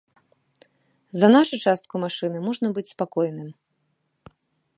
За нашу частку машыны можна быць спакойным!